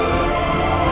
itu keesya ya